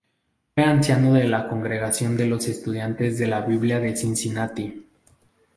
Fue anciano de la congregación de los Estudiantes de la Biblia de Cincinnati.